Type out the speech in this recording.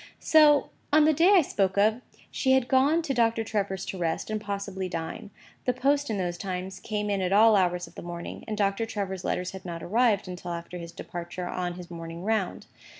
So, on the day I spoke of, she had gone to Doctor Trevor's to rest, and possibly to dine. The post in those times, came in at all hours of the morning: and Doctor Trevor's letters had not arrived until after his departure on his morning round.